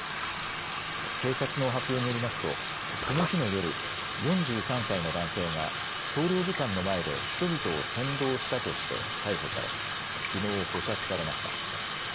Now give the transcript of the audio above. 警察の発表によりますとこの日の夜、４３歳の男性が総領事館の前で人々を扇動したとして逮捕されきのう保釈されました。